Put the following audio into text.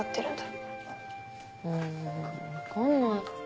うん分かんない。